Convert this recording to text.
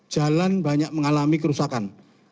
jalan banyak mengalami kerusakan